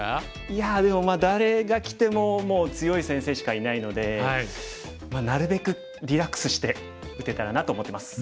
いやでも誰がきてももう強い先生しかいないのでなるべくリラックスして打てたらなと思ってます。